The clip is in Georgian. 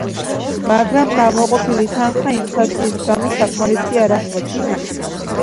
მაგრამ გამოყოფილი თანხა ინფლაციის გამო საკმარისი აღარ აღმოჩნდა.